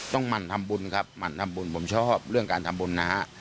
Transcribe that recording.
หมั่นทำบุญครับหมั่นทำบุญผมชอบเรื่องการทำบุญนะฮะ